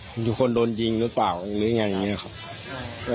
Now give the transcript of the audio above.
มีคนโดนจิงหรือเปล่าหรืออย่างนี้ค่ะ